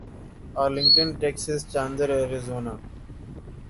Arlington Texas Chandler Arizona